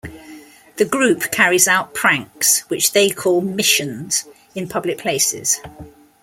The group carries out pranks, which they call "missions", in public places.